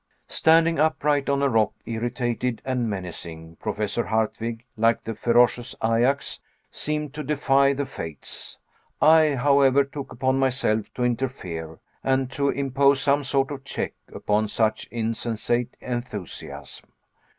Standing upright on a rock, irritated and menacing, Professor Hardwigg, like the ferocious Ajax, seemed to defy the fates. I, however, took upon myself to interfere, and to impose some sort of check upon such insensate enthusiasm.